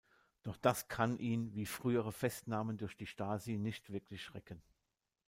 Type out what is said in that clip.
Doch das kann ihn wie frühere Festnahmen durch die Stasi nicht wirklich schrecken.